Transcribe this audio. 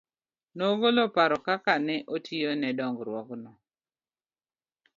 Nogolo paro kaka ne otiyo ne dong'ruok no.